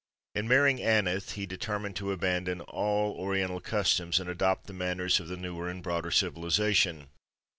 In marrying Aneth he determined to abandon all Oriental customs and adopt the manners of the newer and broader civilization.